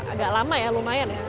agak lama ya lumayan ya